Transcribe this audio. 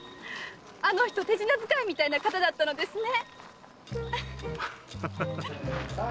あの人手品使いみたいな方だったのですね！